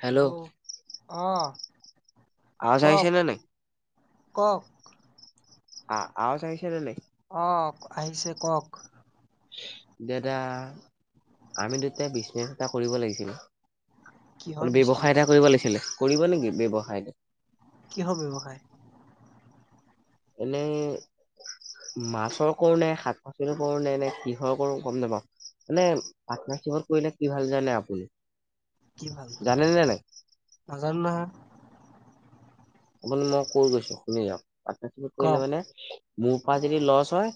Hello অহ। আজ আহিছেনে নাই? কওক আ-আ-আৱাজ আহিছে নে নাই? অহ আহিছে কওক। দাদা আমি দুটা বিজনেছ এটা কৰিব লাগিছিলে। কিহৰ ব্যৱখাই বিজনেচ এটা কৰিব লাগছিলে। কৰিব নেকি ব্যৱসায়টো? কিহৰ ব্যৱসায়? এনেই মাছৰ কৰো নে শাক পাচলিৰ কৰো ন নে কিহৰ কৰো গম নাপাওঁ মানে পাৰ্টনাৰশ্বিপত কৰিলে কি ভাল জানে আপুনি? কি ভাল জানে নে নাই নাজানো নহয়। আপুনি মই কৈ গৈছো শুনি যাওঁক। পাৰ্টনাৰশ্বিপত কৰিলে কওক মানে মোৰ পৰা যদি লছ হয়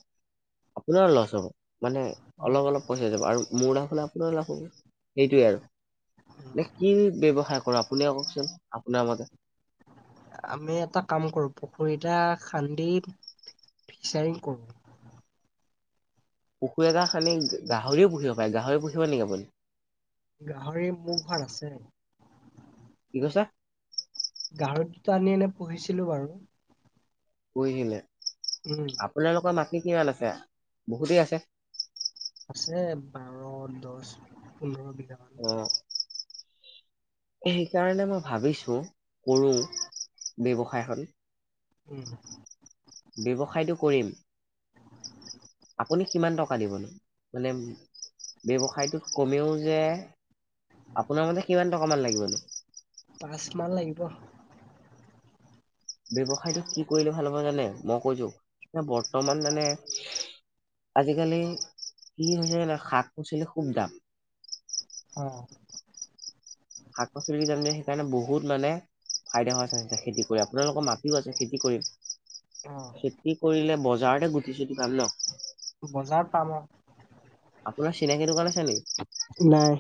আপোনাৰ লছ হ'ব। মানে অলপ অলপ পইচা হৈ যাব আৰু [unintelligible] [unintelligible] সেইটোৱে আৰু কি বব্যৱসায় কৰা আপুনি কওকচোন আপোনাৰ মতে। আমি এটা কাম কৰো পুখুৰী এটা খান্দি ফিচাৰিং কৰোঁ। পুখুৰী এটা খানি গাহৰিও পুহিব পাৰে গাহৰি পুহিব নেকি আপুনি? গাহৰি মোৰ ঘৰত আছে। [unintelligible] গাহৰি দুটা আনি এনে পুহিছিলোঁ বাৰু। পুহিছিলে? উম আপোনালোকৰ মাত কি কিনাত আছে বহুতেই আছে। আছে বাৰ দহ পোন্ধৰ বি অ সেইকাৰণে মই ভাবিছো কৰো ব্যৱসায়খন। উম ব্যৱসায়টো কৰিম আপুনি কিমান টকা দিবনো মানে ব্যৱসায়টো কমেও যে আপোনাৰ মতে কিমান টকামান লাগিবনো? পাঁচ মান লাগিব। ব্যৱসায়টো কি কৰিলে ভাল হব জানে মই কৈছো এ বৰ্তমান মানে আজিকালি কি হৈছে শাক পাচলি খুব দাম অ শাক পাচলি দাম যে সেইকাৰণে বহুত মানে ফাইদা হোৱা চ খেতি কৰি আপোনালোকৰ মাও আছে খেতি কৰিম। অ খেতি কৰিলে ব যাহতে গুটি চুটি ভাল ন? বজাৰত পাম আৰু আপোনাৰ চিনাকি দোকান আছে নি? নাই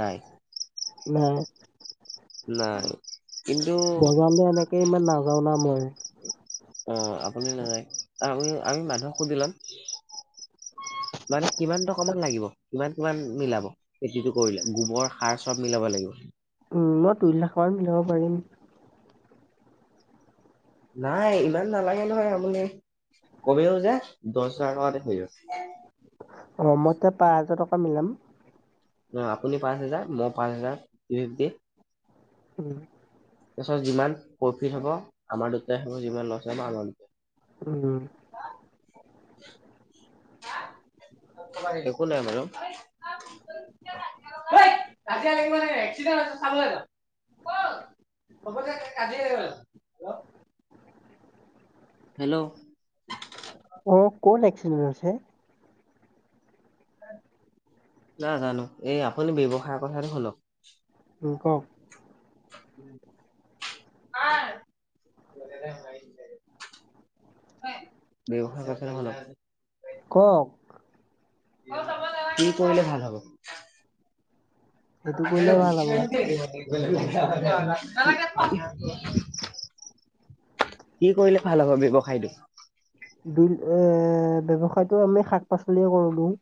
নাই। নাই। নাই কিন্তু বজালে এনেকে ইমান নাম যাও ন মই অ আপুনি নাযায় আমি আমি মানুহক সুধি লম মানে কিমান টকামান লাগিব কিমান কিমান মিলাব খেতিটো কৰিলে গোবৰ সাৰ চব মিলাব লাগিব উম মই দুই লাখ মান মিলাব পাৰিম নাই ইমান নালাগে নহয় আপুনি কমেউও যে দহ হাজাৰ টকাতে হৈ যাব অ মই এয়া পাঁচ হাজাৰ টকা মিলাম ন আপুনি পাঁচ হোজাৰ মই পাঁচ হাজাৰ উম তাৰপিছত যিমান প্ৰফিট হ'ব আমাৰ দুটাই হব যিমান লছ হ আমাৰ ল উ একো নাই মানে কাজিয়া লাগিবান এক্সিডেণ্ট আ চাম হ'ব কাজিয়া হেল্ল' অ কন একসিডেণ্টছে ন জানো এই আপুনি ব্যৱসায়ৰ কথাটো শুনক ক ব্যৱসায় কছে নহলে কক কি কৰিলে ভাল হ'ব সেইটো আচ কৰিলে ভাল হ'ব। গুচি আ [unintelligible] কি কৰিলে ভাল হব ব্যৱসায়টো দুইল এ ব্যৱসায়টো আমি শাক পাচলিয়ে কৰো দিওঁ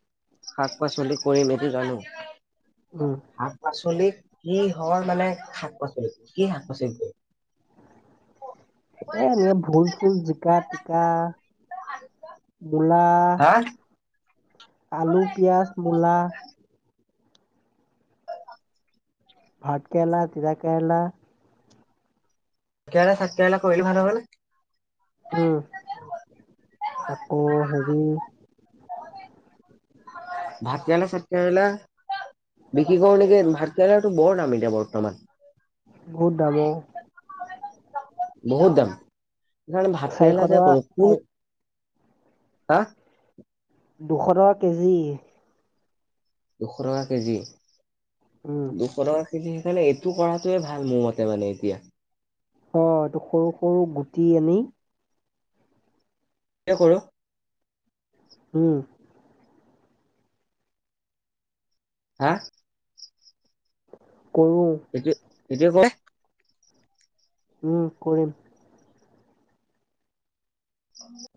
শাক পাচলি কৰিম এই টো জানো উম শাক পাচলি কি হল মানে শাক পাচলিটো কি শাক পাচলিটো এ নে ভুল ফুল জিকা টিকা মূলা হা? আলু পিয়য়াজ মূলা ভাত কেৰেলা তিৰা কেৰেলা তিতাকেৰেলা ভাতকেৰেলা কৰিলে ভাল হ'ব নে উম আকৌই ভাত হম ভাত কেৰেলা চাত কেৰেলা বিক্ৰী কৰো নেকি ভাত কেৰেলাটো বৰ দাম এতিয়া বৰ্তমান বহুত দামৰ আ বহুত দাম সেইকাৰণ চাৰিশ ভাতলা টকা যকে কোনো কোন চাৰি হা দুশ টকা কেজি দুশ টকা কেজি উম দুশ টকা সেইকাৰণে এইটো কৰাটোৱে ভাল মোৰ মতে মানে এতিয়া। অঁ, এইটো সৰু সৰু গুটি আনি পানি। এয়া কৰো। হোম। হা। কৰো। এইটো এতিয়া কয়, উম, কৰিম। উ [unintelligible]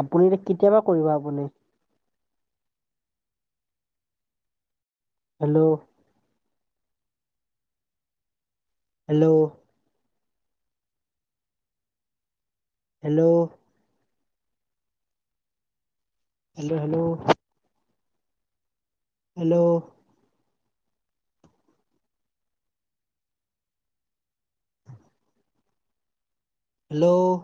আপুনি এ কেতিয়াপা কৰিব আপুনি? Hello. Hello. Hello. Hello hello. Hello. Hello.